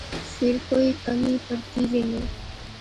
فیر کوئِی کمی پرتی وی نئیں